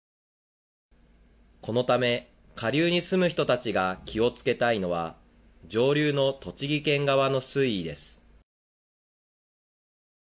このため下流に住む人たちが気をつけたいのは上流の栃木県側の水位です。